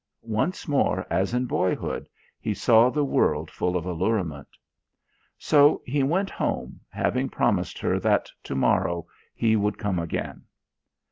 Once more as in boyhood he saw the world full of allurement. So he went home, having promised her that to morrow he would come again.